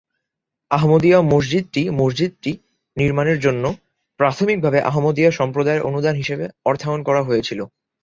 আহমদিয়া মসজিদটি মসজিদটি নির্মাণের জন্য প্রাথমিকভাবে আহমদিয়া সম্প্রদায়ের অনুদান হিসেবে অর্থায়ন করা হয়েছিল।